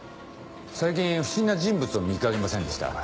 最近不審な人物を見掛けませんでしたか？